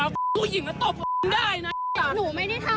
แพ็คซี่พี่นั่งในรถก่อนพี่นั่งในรถก่อน